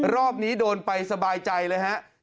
รอบนี้โดนไปสบายใจเลยฮะ